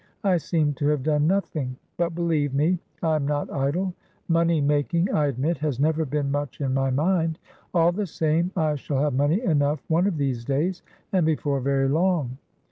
I seem to have done nothing, but, believe me, I am not idle. Money making, I admit, has never been much in my mind; all the same, I shall have money enough one of these days, and before very long.